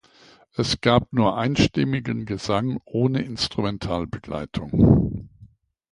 Es gab nur einstimmigen Gesang ohne Instrumentalbegleitung.